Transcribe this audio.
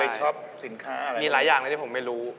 ใช่